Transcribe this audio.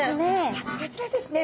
あっこちらですね。